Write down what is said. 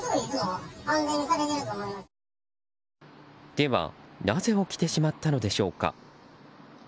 では、なぜ起きてしまったのでしょうか。